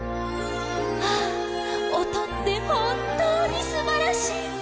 あおとってほんとうにすばらしい！